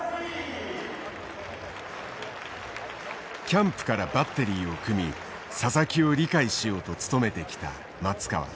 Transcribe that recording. キャンプからバッテリーを組み佐々木を理解しようと努めてきた松川。